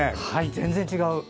全然違う。